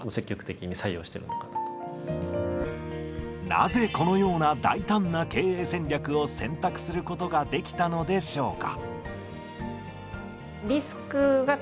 なぜこのような大胆な経営戦略を選択することができたのでしょうか？